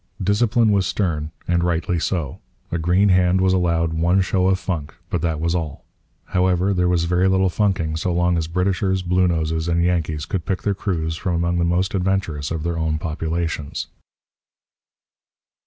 Discipline was stern; and rightly so. A green hand was allowed one show of funk; but that was all. However, there was very little funking so long as Britishers, Bluenoses, and Yankees could pick their crews from among the most adventurous of their own populations.